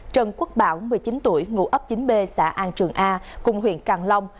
trần quốc bảo một mươi chín tuổi ngụ ấp chín b xã an trường a cùng huyện càng long